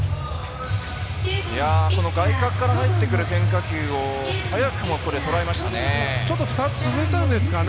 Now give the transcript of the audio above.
外角から入ってくる変化球を早くも捉えましたね。